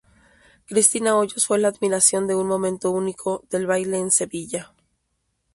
Cristina Hoyos fue la admiración de un momento único del baile en Sevilla.